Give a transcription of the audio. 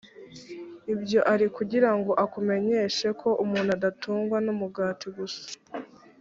ibyo ari ukugira ngo akumenyeshe ko umuntu adatungwa n’umugati gusa